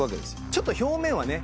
ちょっと表面はね